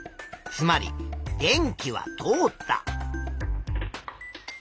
つまり電気は通った。